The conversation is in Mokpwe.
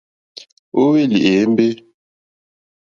Ó hwélì èyémbé.